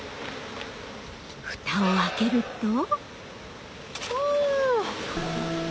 ふたを開けるとお！